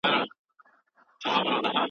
که خاوند عدالت نشو کولای نو پر څه به اکتفا کوي؟